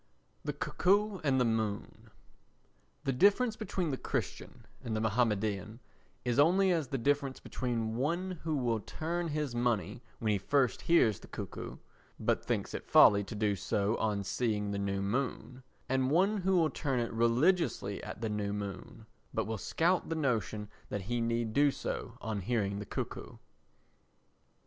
The Cuckoo and the Moon The difference between the Christian and the Mahomedan is only as the difference between one who will turn his money when he first hears the cuckoo, but thinks it folly to do so on seeing the new moon, and one who will turn it religiously at the new moon, but will scout the notion that he need do so on hearing the cuckoo.